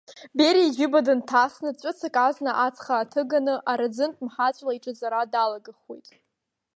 Бериа иџьыба дынҭасны, ҵәыцак азна ацха ааҭганы, араӡынтә мҳаҵәла иҿаҵара далагахуеит.